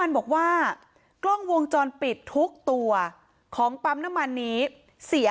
มันบอกว่ากล้องวงจรปิดทุกตัวของปั๊มน้ำมันนี้เสีย